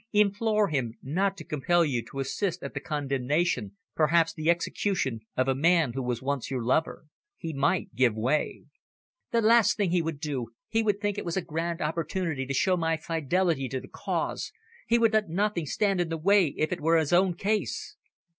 Implore him not to compel you to assist at the condemnation, perhaps the execution, of a man who was once your lover. He might give way." "The last thing he would do. He would think it a grand opportunity to show my fidelity to the Cause. He would let nothing stand in the way if it were his own case."